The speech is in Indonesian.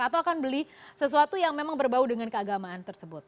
atau akan beli sesuatu yang memang berbau dengan keagamaan tersebut